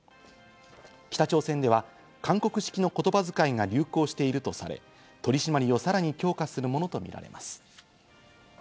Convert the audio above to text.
北朝鮮では韓国式の言葉遣いが流行しているとされ、取り締まりをさらに強化するものとみられます。